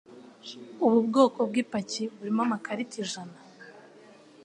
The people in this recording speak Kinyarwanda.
ubu bwoko bw'ipaki burimo amakarita ijana?